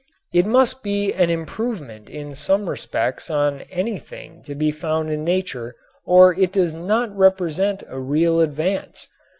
It must be an improvement in some respects on anything to be found in nature or it does not represent a real advance.